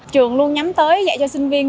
trường luôn nhắm tới dạy cho sinh viên